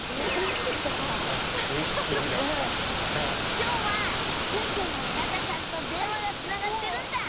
今日は船長の村田さんと電話がつながってるんだ！